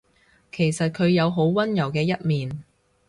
其實佢有好溫柔嘅一面